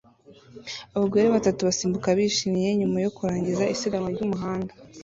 Abagore batatu basimbuka bishimye nyuma yo kurangiza isiganwa ryumuhanda